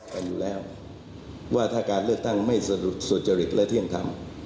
เป็นอยู่แล้วว่าการเลือกตั้งไม่สดจริงและเที่ยงทำ